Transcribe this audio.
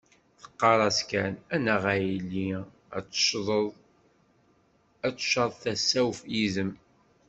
Teqqar-as kan, anaɣ a yelli, ad tcaḍeḍ, ad tcaḍ tasa-w yid-m.